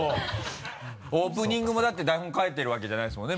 オープニングもだって台本書いてるわけじゃないですもんね